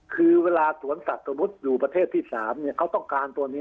คือเวลาสวนสัตว์สมมุติอยู่ประเทศที่๓เขาต้องการตัวนี้